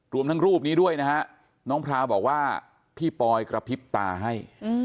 รวมทั้งรูปนี้ด้วยนะฮะน้องพราวบอกว่าพี่ปอยกระพริบตาให้